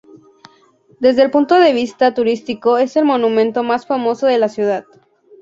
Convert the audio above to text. Desde el punto de vista turístico es el monumento más famoso de la ciudad.